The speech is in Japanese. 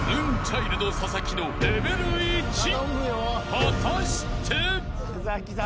［果たして？］